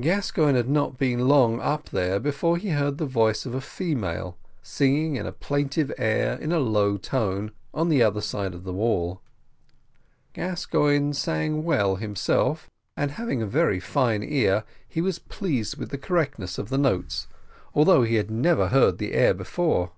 Gascoigne had not been long up there before he heard the voice of a female, singing a plaintive air in a low tone, on the other side of the wall. Gascoigne sang well himself, and having a very fine ear, he was pleased with the correctness of the notes, although he had never heard the air before.